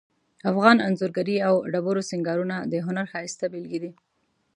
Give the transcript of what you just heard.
افغان انځورګری او ډبرو سنګارونه د هنر ښایسته بیلګې دي